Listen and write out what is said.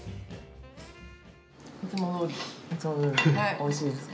おいしいですか？